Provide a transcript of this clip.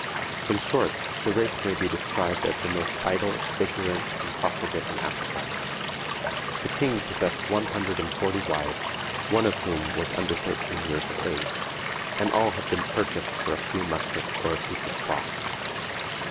In short, the race may be described as the most idle, ignorant, and profligate in Africa. The king possessed one hundred and forty wives, one of whom was under thirteen years of age, and all had been purchased for a few muskets or a piece of cloth.